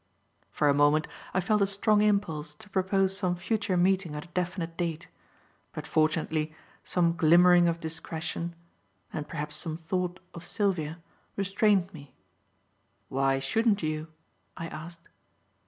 For a moment I felt a strong impulse to propose some future meeting at a definite date, but fortunately some glimmering of discretion and perhaps some thought of Sylvia restrained me. "Why shouldn't you?" I asked.